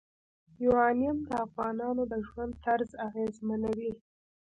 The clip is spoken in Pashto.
یورانیم د افغانانو د ژوند طرز اغېزمنوي.